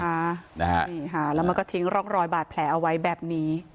นี่ค่ะแล้วมันก็ทิ้งร่องรอยบาดแผลเอาไว้แบบนี้